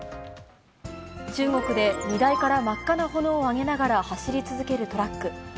中国で、荷台から真っ赤な炎を上げながら走り続けるトラック。